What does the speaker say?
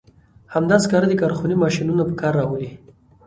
همدا سکاره د کارخونې ماشینونه په کار راولي.